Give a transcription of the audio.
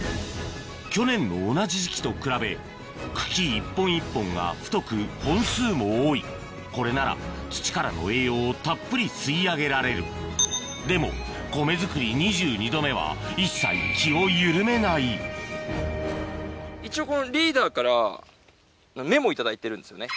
去年の同じ時期と比べ茎一本一本が太く本数も多いこれなら土からの栄養をたっぷり吸い上げられるでも米作り２２度目は一切気を緩めない一応リーダーからメモ頂いてるんですよね。